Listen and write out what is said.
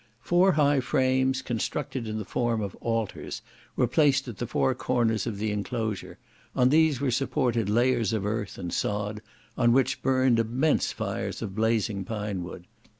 Four high frames, constructed in the form of altars, were placed at the four corners of the enclosure; on these were supported layers of earth and sod, on which burned immense fires of blazing pinewood.